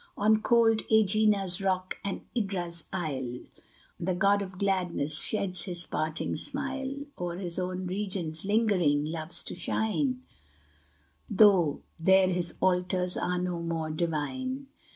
On cold Ægina's rock and Idra's isle The god of gladness sheds his parting smile; O'er his own regions lingering, loves to shine, Though there his altars are no more divine.